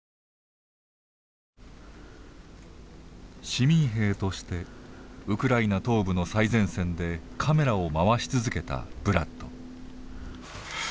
市民兵としてウクライナ東部の最前線でカメラを回し続けたブラッド。